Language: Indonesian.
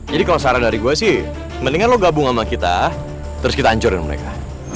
jadi kalo sarah dari gue sih mendingan lo gabung sama kita terus kita hancurin mereka